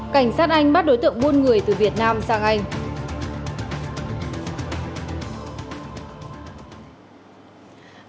cảnh sát anh bắt đối tượng buôn người từ việt nam sang anh